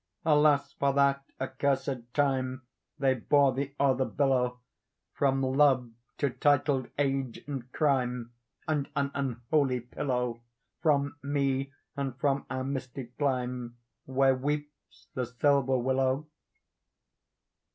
Alas! for that accursed time They bore thee o'er the billow, From Love to titled age and crime, And an unholy pillow!— From me, and from our misty clime, Where weeps the silver willow!